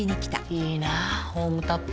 いいなホームタップ。